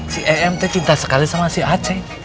si em cinta sekali sama si acing